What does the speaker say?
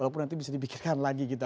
walaupun nanti bisa dibikirkan lagi gitu